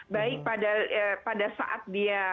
baik pada saat dia